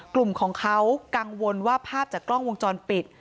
กลุ่มของเขากังวลว่าภาพจากกล้องวงจรปิด